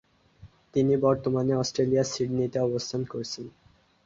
তিনি বর্তমানে অস্ট্রেলিয়ার সিডনিতে অবস্থান করছেন।